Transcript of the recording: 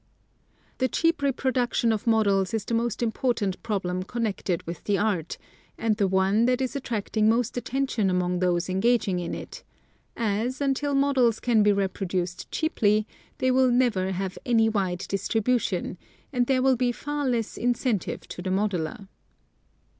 The cheap reproduction of models is the most important problem connected with the art, and the one that is attracting most attention among those engaged in it ; as, until models can be reproduced cheaply, they will never have any wide distribu ' tion and there will be far less incentive to the modeler.